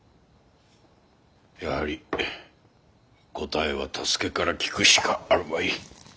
やはり答えは多助から聞くしかあるまい。